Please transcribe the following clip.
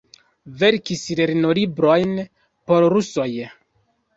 Verkis lernolibron por rusoj.